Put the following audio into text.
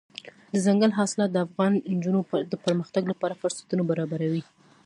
دځنګل حاصلات د افغان نجونو د پرمختګ لپاره فرصتونه برابروي.